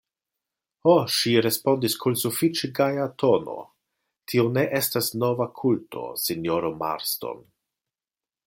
Ho, ŝi respondis kun sufiĉe gaja tono, tio ne estas nova kulto, sinjoro Marston.